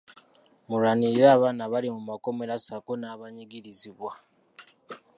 Mulwanirire abaana abali mu makomera ssaako n’abanyigirizibwa.